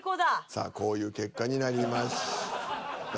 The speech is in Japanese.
さあこういう結果になりました。